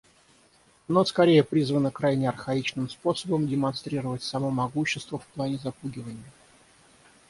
Оно скорее призвано крайне архаичным способом демонстрировать само могущество в плане запугивания.